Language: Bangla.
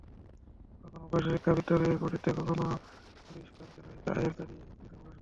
কখনো বয়স্কশিক্ষা বিদ্যালয়ে পড়িয়ে, কখনোবা সুই-সুতার সেলাইয়ের আয়ে চালিয়ে গেছে পড়াশোনা।